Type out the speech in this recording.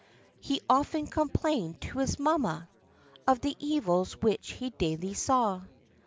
He often complained to his mamma Of the evils which he daily saw.